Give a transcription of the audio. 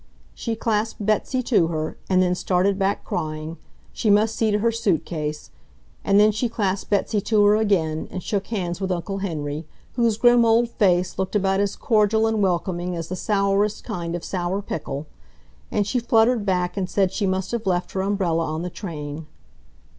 She clasped Betsy to her, and then started back crying—she must see to her suitcase—and then she clasped Betsy to her again and shook hands with Uncle Henry, whose grim old face looked about as cordial and welcoming as the sourest kind of sour pickle, and she fluttered back and said she must have left her umbrella on the train.